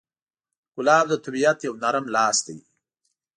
ګلاب د طبیعت یو نرم لاس دی.